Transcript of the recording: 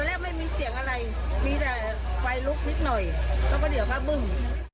แรกไม่มีเสียงอะไรมีแต่ไฟลุกนิดหน่อยแล้วก็เดี๋ยวผ้าบึ้ง